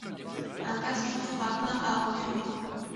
Impasse du Four A Pain à Empuré